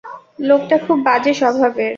লোকটা খুব বাজে স্বভাবের।